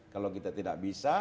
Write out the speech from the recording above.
kalau kita tidak bisa